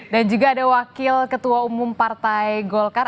dan juga ada wakil ketua umum partai golkar